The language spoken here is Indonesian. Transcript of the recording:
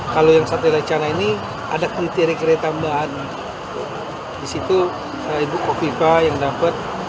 kalau yang satu recana ini ada kriteria tambahan disitu saya ibu fika yang dapat